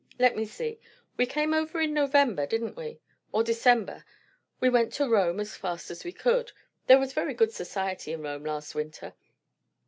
Let me see we came over in November, didn't we? or December; we went to Rome as fast as we could. There was very good society in Rome last winter.